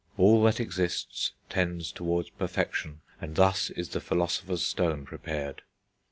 All that exists tends towards perfection, and thus is the Philosopher's Stone prepared.